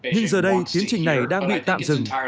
nhưng giờ đây tiến trình này đang bị tạm dừng